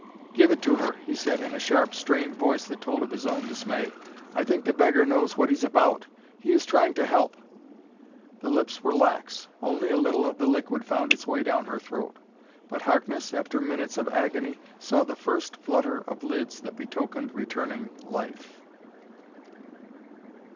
"Give it to her," he said in a sharp, strained voice that told of his own dismay. "I think the beggar knows what he's about. He is trying to help." The lips were lax; only a little of the liquid found its way down her throat. But Harkness, after minutes of agony, saw the first flutter of lids that betokened returning life....